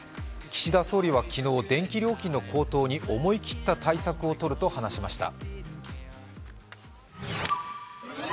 岸田総理は昨日、電気料金の高騰に思い切った対策を取ると話しました。